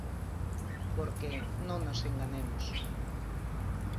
Porque, non nos enganemos.